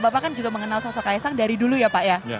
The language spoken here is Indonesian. bapak kan juga mengenal sosok kaisang dari dulu ya pak ya